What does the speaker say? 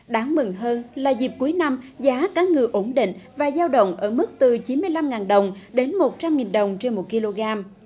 đáng mừng hơn là dịp cuối năm giá cá ngừ ổn định và giao động ở mức từ chín mươi năm đồng đến một trăm linh đồng trên một kg